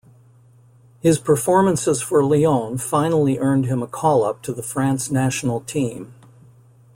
His performances for Lyon finally earned him a call-up to the France national team.